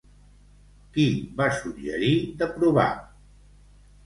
Qui va suggerir de provar?